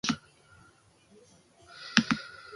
Afarian, gau hartan, patata-tortilla eta gazta.